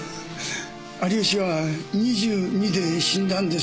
有吉は２２で死んだんです。